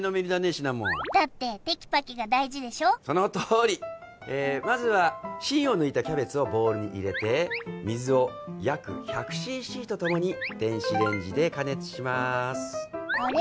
シナモンだってテキパキが大事でしょそのとおりえまずは芯を抜いたキャベツをボウルに入れて水を約１００ｃｃとともに電子レンジで加熱しますあれ？